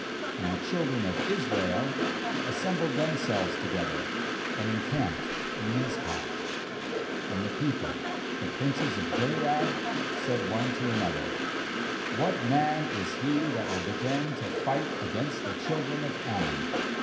And the children of Israel assembled themselves together, and encamped in Mizpah. 18And the peo ple, the princes of Gilead, said one to another: 'What man is he that will begin to fight against the children of Ammon?